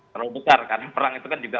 terlalu besar karena perang itu kan juga